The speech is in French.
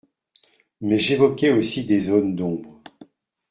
Mais j’évoquais aussi des zones d’ombre.